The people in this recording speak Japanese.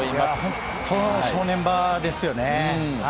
本当の正念場ですよね。